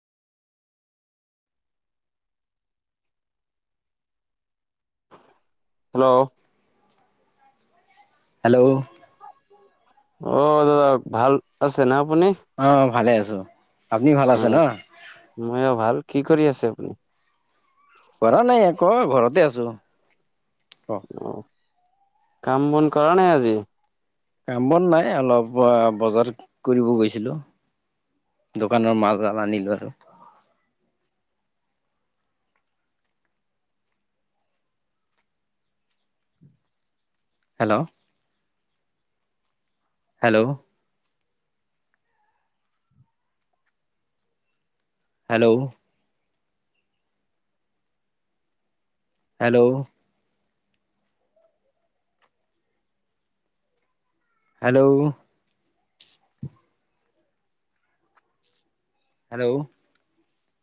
Hello? Hello? অ, দাদা ভাল আছে না আপুনি? অ, ভালে আছো। আপুনি ভাল অ আছে ন? মই ভাল, কি কৰি আছে আপুনি? কৰা নাই আকৌ ঘৰতে আছো। অ, কাম বন কৰা নাই আজি? কাম - বন নাই অলপ ব বজাৰ কৰিব গৈছিলো। দোকানৰ মালডাল আনিলো আৰু। Hello? Hello? Hello? Hello? Hello? Hello?